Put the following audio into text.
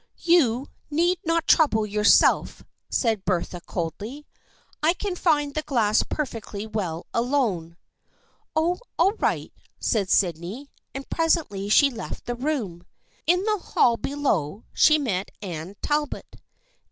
" You need not trouble yourself," said Bertha coldly. " I can find the glass perfectly well alone." " Oh, all right," said Sydney, and presently she left the room. In the hall below she met Anne Talbot.